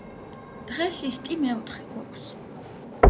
დღეს ისტი მეოთხე გვაქვს